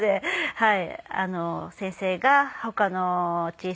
はい。